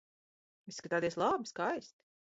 Izskatāties labi, skaisti.